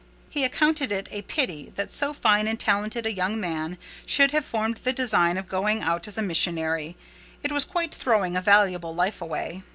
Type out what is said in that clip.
He accounted it a pity that so fine and talented a young man should have formed the design of going out as a missionary; it was quite throwing a valuable life away.